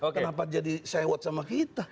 kenapa jadi sewot sama kita